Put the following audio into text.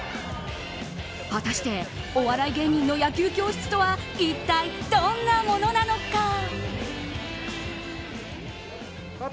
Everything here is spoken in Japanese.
果たして、お笑い芸人の野球教室とは一体どんなものなのか。